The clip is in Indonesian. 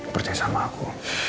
percaya sama aku